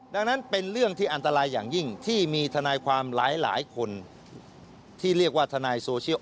ดังนั้นเป็นเรื่องที่อันตรายอย่างยิ่งที่มีทนายความหลายคนที่เรียกว่าทนายโซเชียล